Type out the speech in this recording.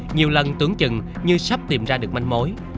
nhiều lần tưởng chừng như sắp tìm ra được manh mối